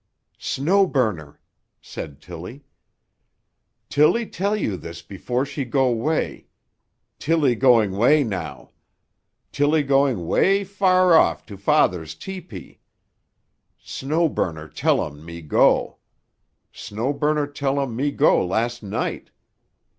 "Snow Burner," said Tilly. "Tilly tell you this before she go 'way. Tilly going 'way now. Tilly going 'way far off to father's tepee. Snow Burner tell um me go. Snow Burner tell um me go last night.